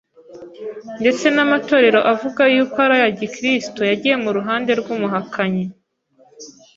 Ndetse n’amatorero avuga yuko ari aya gikristo yagiye mu ruhande rw’umuhakanyi